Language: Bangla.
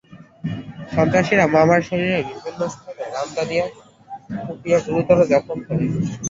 সন্ত্রাসীরা মামার শরীরের বিভিন্ন স্থানে রামদা দিয়ে কুপিয়ে গুরুতর জখম করে।